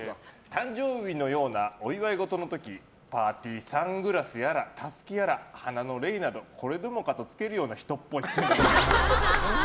誕生日のようなお祝いごとの時パーティーサングラスやらたすきやら、花のレイなどこれでもかとつけるような人っぽい。